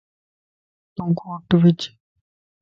تون ڪوٽ وج